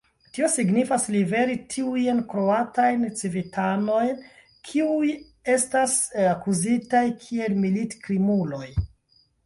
Tio signifas: liveri tiujn kroatajn civitanojn, kiuj estas akuzitaj kiel militkrimuloj.